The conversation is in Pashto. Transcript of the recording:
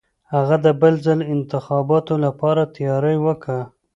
هغه د بل ځل انتخاباتو لپاره تیاری وکه.